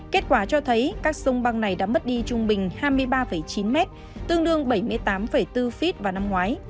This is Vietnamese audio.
kết quả cho thấy các sông băng này đã mất đi trung bình hai mươi ba chín mét tương đương bảy mươi tám bốn feet vào năm ngoái